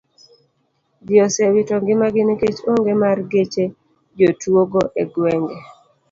Ji osewito ngimagi nikech onge mar geche jotuo go e gwenge.